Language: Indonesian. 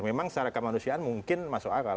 memang secara kemanusiaan mungkin masuk akal